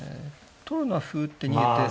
取るのは歩打って逃げて。